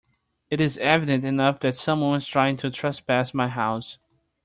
It is evident enough that someone was trying to trespass my house.